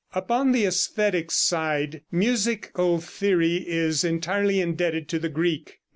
Upon the æsthetic side musical theory is entirely indebted to the Greek.